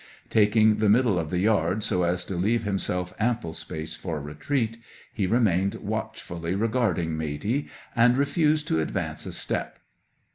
Taking the middle of the yard, so as to leave himself ample space for retreat, he remained watchfully regarding Matey, and refused to advance a step.